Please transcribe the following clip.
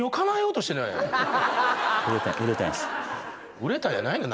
売れたいやないねん。